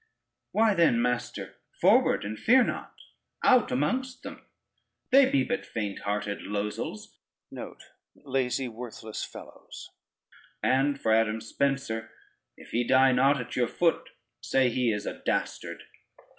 "Why then, master, forward and fear not! Out amongst them; they be but faint hearted losels, and for Adam Spencer, if he die not at your foot, say he is a dastard."